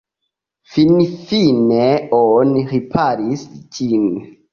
Finfine oni riparis ĝin.